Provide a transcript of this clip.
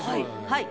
はい。